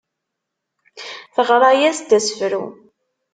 Teɣra-yas-d asefru.